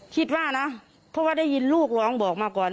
คิดว่านะเพราะว่าได้ยินลูกร้องบอกมาก่อน